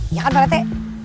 iya kan pak rete